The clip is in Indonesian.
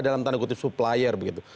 dalam tanda kutip supplier begitu